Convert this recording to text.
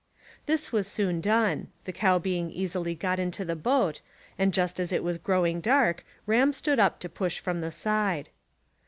This was soon done, the cow being easily got into the boat, and just as it was growing dark Ram stood up to push from the side.